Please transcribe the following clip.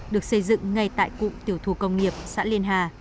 được xây dựng ngay tại cụ tiểu thù công nghiệp xã liên hà